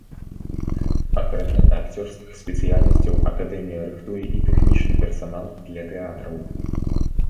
Акрамя акцёрскіх спецыяльнасцяў акадэмія рыхтуе і тэхнічны персанал для тэатраў.